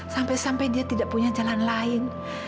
sampai sampai dia tidak punya jalan lain